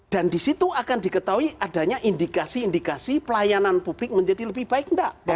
dan di situ akan diketahui adanya indikasi indikasi pelayanan publik menjadi lebih baik atau tidak